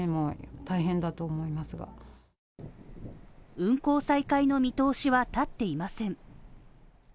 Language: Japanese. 運航再開の見通しは立っていません。